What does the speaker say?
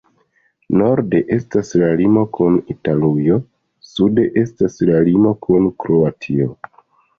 Norde estas la limo kun Italujo, sude estas la limo kun Kroatio.